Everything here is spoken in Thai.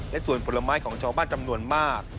และส่วนผลไม้ของชาวบ้านจำนวนมาก